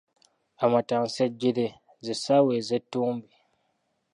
Amatta nsejjere ze ssaawa eze ttumbi.